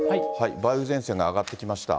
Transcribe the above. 梅雨前線が上がってきました。